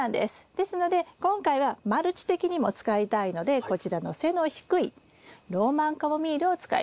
ですので今回はマルチ的にも使いたいのでこちらの背の低いローマンカモミールを使います。